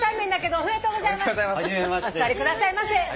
お座りくださいませ。